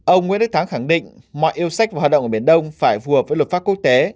ông nguyễn đức thắng khẳng định mọi yêu sách và hoạt động ở biển đông phải phù hợp với luật pháp quốc tế